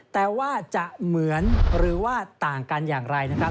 แต่ว่าจะเหมือนหรือว่าต่างกันอย่างไรนะครับ